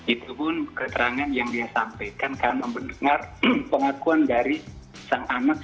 itu pun keterangan yang dia sampaikan karena mendengar pengakuan dari sang anak